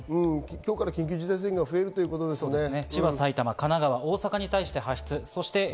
今日から緊急事態宣言が増えるということですね。